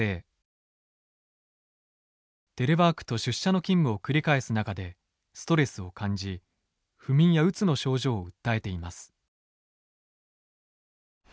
テレワークと出社の勤務を繰り返す中でストレスを感じ不眠やうつの症状を訴えています。